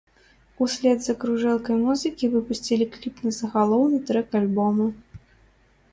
Услед за кружэлкай музыкі выпусцілі кліп на загалоўны трэк альбома.